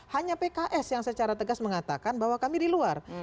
hanya pks yang secara tegas mengatakan bahwa kami di luar